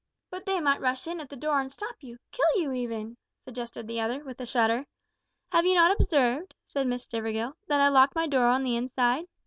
"But they might rush in at the door and stop you kill you even!" suggested the other, with a shudder. "Have you not observed," said Miss Stivergill, "that I lock my door on the inside?